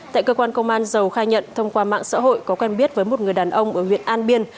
tại cơ quan công an dầu khai nhận thông qua mạng xã hội có quen biết với một người đàn ông ở huyện an biên